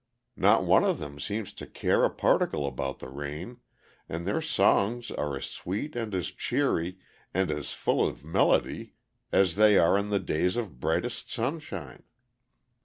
Not one of them seems to care a particle about the rain, and their songs are as sweet and as cheery and as full of melody as they are on the days of brightest sunshine.